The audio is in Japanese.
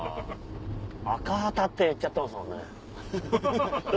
アカハタって言っちゃってますもんね。